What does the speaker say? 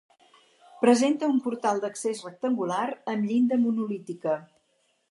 Presenta un portal d'accés rectangular amb llinda monolítica.